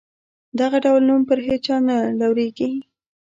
دغه ډول نوم پر هیچا نه لورېږي.